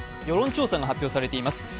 世論調査が発表されています。